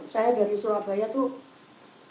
saya dari surabaya tuh